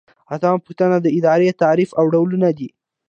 اتمه پوښتنه د ادارې تعریف او ډولونه دي.